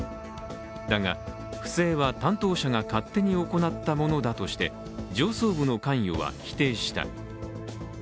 だが、不正は担当者が勝手に行ったものだとして上層部の関与は否定した。